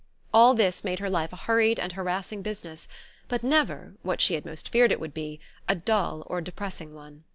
All this made her life a hurried and harassing business, but never what she had most feared it would be a dull or depressing one.